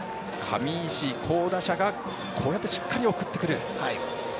上石、好打者がこうやってしっかり送ってくる。